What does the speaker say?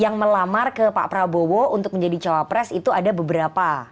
yang melamar ke pak prabowo untuk menjadi cawapres itu ada beberapa